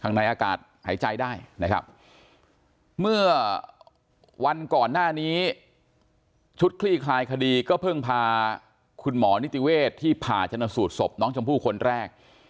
ในอากาศหายใจได้นะครับเมื่อวันก่อนหน้านี้ชุดคลี่คลายคดีก็เพิ่งพาคุณหมอนิติเวศที่ผ่าชนสูตรศพน้องชมพู่คนแรก